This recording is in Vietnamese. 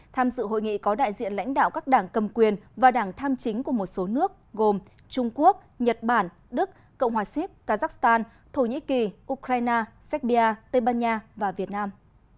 tham dự hội nghị có đại diện lãnh đạo các đảng cầm quyền và đảng tham chính của một số nước gồm trung quốc nhật bản đức cộng hòa xếp kazakhstan thổ nhĩ kỳ ukraine serbia tây ban nha và việt nam